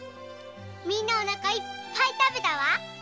みんなお腹いっぱい食べたわ。